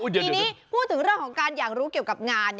ทีนี้พูดถึงเรื่องของการอยากรู้เกี่ยวกับงาน